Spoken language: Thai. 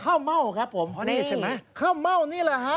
ข้าวเม่าครับผมนี่ใช่ไหมข้าวเม่านี่แหละฮะ